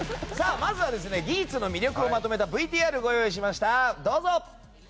まずは「ギーツ」の魅力をまとめたＶＴＲをご用意しました。